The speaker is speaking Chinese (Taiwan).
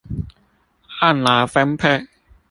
按勞分配